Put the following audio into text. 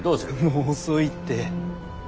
もう遅いって。